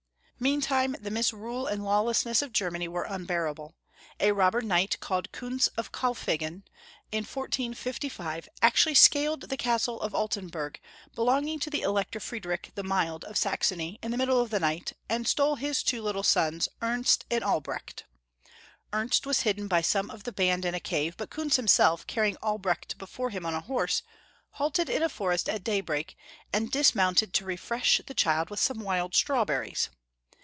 Meantime the misrule and lawlessness of Ger many were unbearable. A robber knight called Kunz of Kaufl&ngen, in 1455, actually scaled the Castle of Altenberg, belonging to the Elector Friedrich the Mild of Saxony, in the middle of the night, and stole his two little sons, Ernst and Al brecht. Ernst was hidden by some of the band in a cave, but Kunz himself, carrying Albrecht before him on his horse, halted in a forest at daybreak, and dismounted to refresh the child with some wild strawberries.